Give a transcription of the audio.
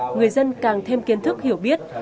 người dân càng thêm kiến thức hiểu biết